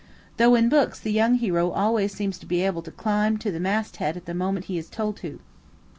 Though in books the young hero always seems able to climb to the mast head the moment he is told to.